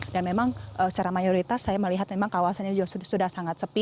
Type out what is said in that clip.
dan memang secara mayoritas saya melihat memang kawasannya sudah sangat sepi